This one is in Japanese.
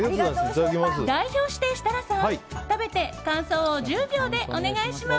代表して、設楽さん食べて感想を１０秒でお願いします。